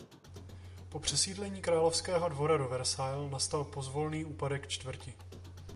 Po přesídlení královského dvora do Versailles nastal pozvolný úpadek čtvrti.